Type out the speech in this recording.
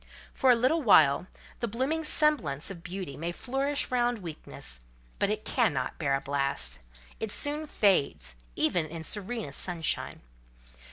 For a little while, the blooming semblance of beauty may flourish round weakness; but it cannot bear a blast: it soon fades, even in serenest sunshine.